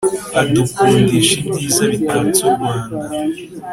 Adukundishaibyiza bitatse urwanda